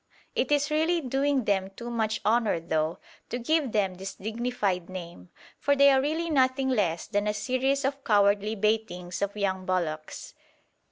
It is really doing them too much honour, though, to give them this dignified name; for they are really nothing less than a series of cowardly baitings of young bullocks.